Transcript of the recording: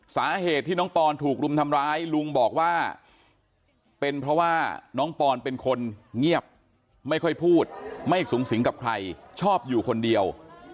สาเหตุที่น้องปอนถูกรุมทำร้ายลุงบอกว่าเป็นเพราะว่าน้องปอนเป็นคนเงียบไม่ค่อยพูดไม่สูงสิงกับใครชอบอยู่คนเดียว